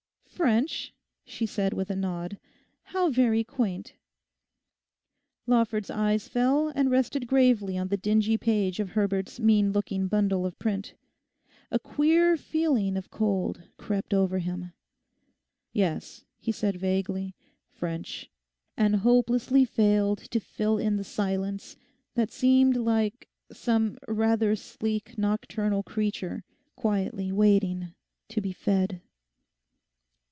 'French?' she said with a nod. 'How very quaint.' Lawford's eyes fell and rested gravely on the dingy page of Herbert's mean looking bundle of print. A queer feeling of cold crept over him. 'Yes,' he said vaguely, 'French,' and hopelessly failed to fill in the silence that seemed like some rather sleek nocturnal creature quietly waiting to be fed.